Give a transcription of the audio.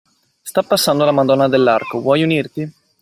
Sta passando la Madonna dell'Arco, vuoi unirti?